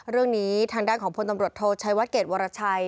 เรื่องนี้ทางด้านของพลตำรวจโทชัยวัดเกรดวรชัย